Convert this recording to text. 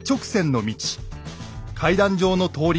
階段状の通り